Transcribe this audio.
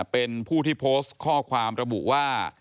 เป็นผู้ที่โพสต์ข้อความระบุว่า